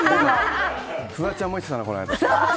フワちゃんも言ってたな。